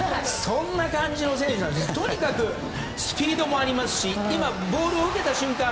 そんな感じの選手でとにかくスピードもありますし今、ボールを受けた瞬間